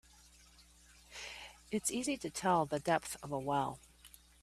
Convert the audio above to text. It's easy to tell the depth of a well.